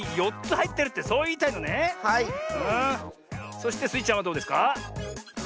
そしてスイちゃんはどうですか？